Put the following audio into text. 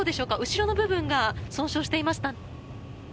後ろの部分が損傷していました。